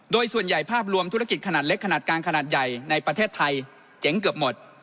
โดยส่วนใหญ่ภาพรวมธุรกิจขนาดเล็กขนาดกลางขนาดใหญ่ในประเทศไทยเจ๋งเกือบหมด